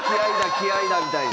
気合だ！みたいに。